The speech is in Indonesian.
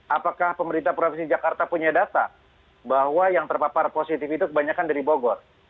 apakah pemerintah provinsi jakarta punya data bahwa yang terpapar positif itu kebanyakan dari bogor